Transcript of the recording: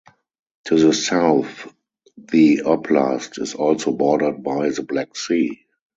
To the south the oblast is also bordered by the Black Sea.